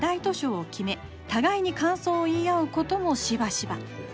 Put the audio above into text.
図書を決め互いに感想を言い合うこともしばしば。